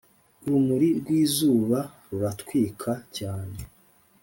urumuri rw'izuba ruratwika cyane